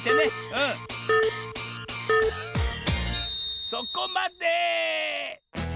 うんそこまで！